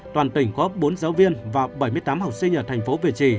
toàn tỉnh có bốn giáo viên và bảy mươi tám học sinh ở thành phố việt trì